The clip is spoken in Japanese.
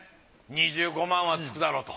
２５万はつくだろうと。